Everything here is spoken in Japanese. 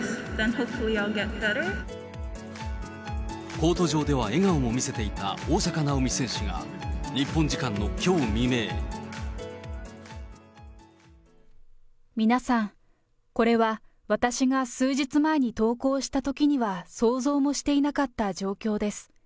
コート上では笑顔も見せていた大坂なおみ選手が日本時間のきょう皆さん、これは私が数日前に投稿したときには想像もしていなかった状況です。